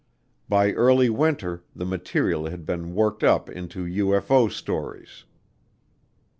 By early winter the material had been worked up into UFO stories.